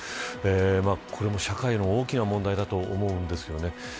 これも社会の大きな問題だと思うんですよね。